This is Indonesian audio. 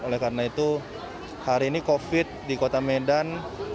oleh karena itu hari ini covid di kota medan